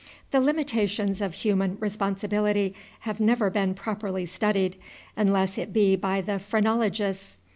The limitations of human responsibility have never been properly studied, unless it be by the phrenologists.